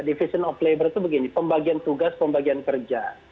division of labor itu begini pembagian tugas pembagian kerja